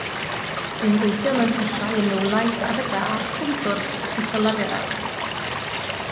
Bu'n gweithio mewn pyllau yn Nowlais, Aberdâr, Cwm Twrch ac Ystalyfera.